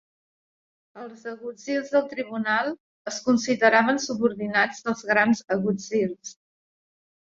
Els agutzils del tribunal es consideraven subordinats dels grans agutzils.